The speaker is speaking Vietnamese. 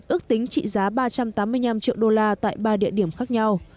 ước tính trị giá ba trăm tám mươi năm triệu đô la tại ba địa điểm khác nhau